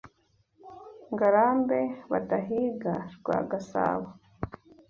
Ngarambe badahiga rwa gasabo